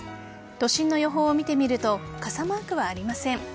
都心の予報を見てみると傘マークはありません。